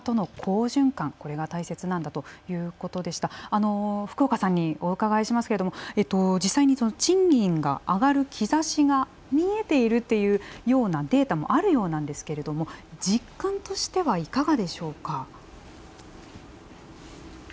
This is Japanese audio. あの福岡さんにお伺いしますけれども実際に賃金が上がる兆しが見えているというようなデータもあるようなんですけれども実感としてはいかがでしょうか？